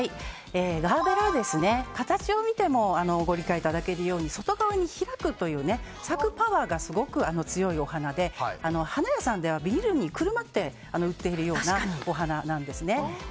ガーベラは形を見てもご理解いただけるように外側に開くという、咲くパワーがすごく強いお花で花屋さんでビニールにくるまって売っているようなお花なんです。